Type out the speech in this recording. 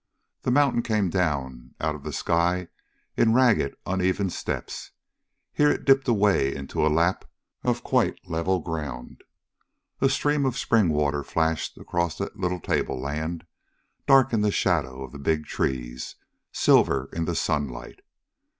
The mountain came down out of the sky in ragged, uneven steps. Here it dipped away into a lap of quite level ground. A stream of spring water flashed across that little tableland, dark in the shadow of the big trees, silver in the sunlight.